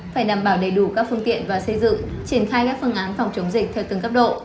phải đảm bảo đầy đủ các phương tiện và xây dựng triển khai các phương án phòng chống dịch theo từng cấp độ